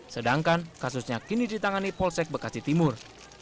sedangkan kasusnya kini ditangani polsek bekasi timur